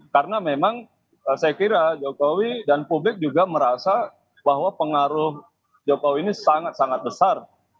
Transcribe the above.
karena memang saya kira jokowi dan publik juga merasa bahwa pengaruh jokowi ini sangat sangat besar